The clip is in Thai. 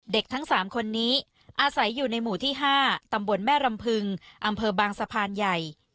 ทั้ง๓คนนี้อาศัยอยู่ในหมู่ที่๕ตำบลแม่รำพึงอำเภอบางสะพานใหญ่